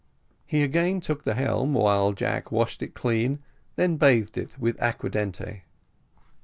He again took the helm, while Jack washed it clean and then bathed it with aquadente.